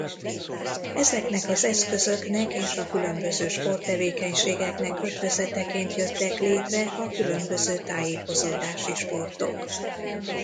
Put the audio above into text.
Ezeknek az eszközöknek és a különböző sporttevékenységeknek ötvözeteként jöttek létre a különböző tájékozódási sportok.